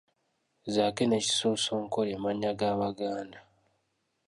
Zaake ne Kisosonkole mannya ga Baganda.